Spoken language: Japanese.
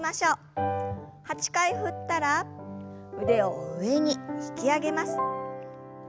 ８回振ったら腕を上に引き上げます。